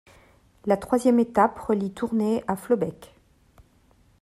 La troisième étape relie Tournai à Flobecq.